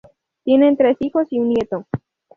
Tienen tres hijos y un nieto.